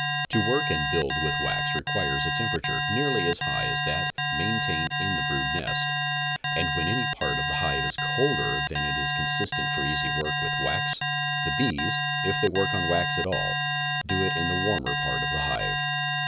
To work and build with wax requires a temperature nearly as high as that main tained in the brood nest, and when any part of the hive is colder than is consistent for easy work with wax; the bees, if they work on wax at all, do it in the warmer part of the hive.